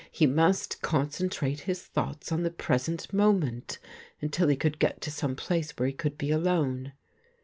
He must concentrate his thoughts on the present moment, until he could get to some place where he could be alone.